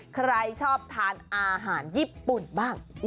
ใครชอบทานอาหารญี่ปุ่นบ้าง